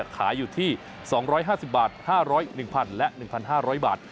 ขายอยู่ที่๒๕๐บาท๕๐๐บาท๑๐๐๐บาทและ๑๕๐๐บาท